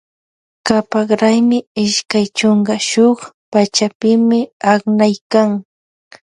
Kapak raymi ishkay chunka shuk pachapimi aknaykan.